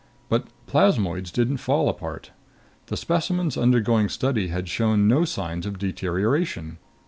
But plasmoids didn't fall apart. The specimens undergoing study had shown no signs of deterioration.